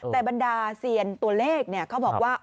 แต่บรรดาเซียนตัวเลขเขาบอกว่า